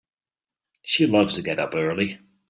She loves to get up early.